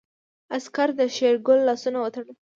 عسکر د شېرګل لاسونه وتړل.